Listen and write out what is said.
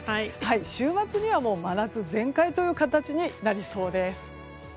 週末には真夏全開という形になりそうです。